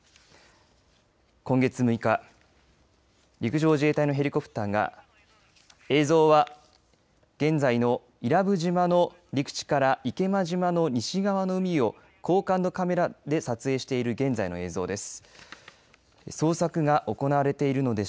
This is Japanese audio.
今月６日陸上自衛隊のヘリコプターが映像は現在の伊良部島の陸地から池間島の西側の海を高感度カメラで撮影してる現在の映像です。